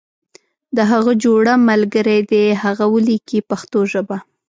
د هغه جوړه ملګری دې هغه ولیکي په پښتو ژبه.